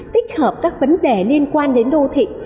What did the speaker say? tích hợp các vấn đề liên quan đến đô thị